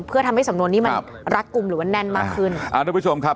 เพื่อทำให้สำนวนนี้มันรัดกลุ่มหรือว่าแน่นมากขึ้นอ่าทุกผู้ชมครับ